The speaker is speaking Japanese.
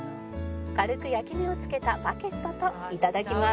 軽く焼き目を付けたバゲットと頂きます